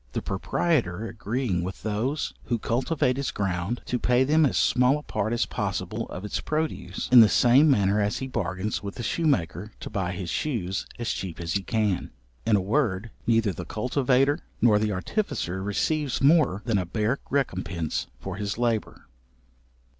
The proprietor agreeing with those who cultivate his ground to pay them as small a part as possible of its produce, in the same manner as he bargains with the shoemaker to buy his shoes as cheap as he can. In a word, neither the cultivator, nor the artificer receives more than a bare recompense for his labour.